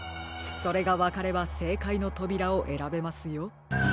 それがわかればせいかいのとびらをえらべますよ。